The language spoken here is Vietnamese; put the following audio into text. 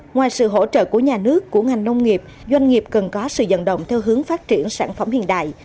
ngoài sự hỗ trợ của nhà nước của ngành nông nghiệp doanh nghiệp cần có sự dẫn động theo hướng phát triển sản phẩm hiện đại